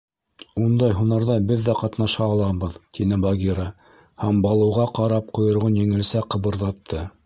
— Ундай һунарҙа беҙ ҙә ҡатнаша алабыҙ, — тине Багира һәм, Балуға ҡарап, ҡойроғон еңелсә ҡыбырҙатты.